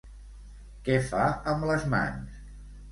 Què fa amb les mans?